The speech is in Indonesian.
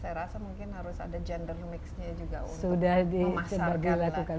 saya rasa mungkin harus ada gendermics nya juga untuk memasarkan